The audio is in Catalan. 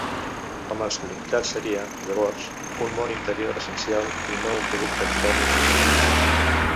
La masculinitat seria, llavors, un món interior essencial i no un producte extern o social.